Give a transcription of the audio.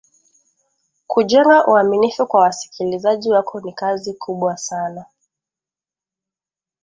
kujenga uaminifu kwa wasikilizaji wako ni kazi kubwa sana